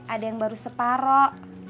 ada yang baru separoh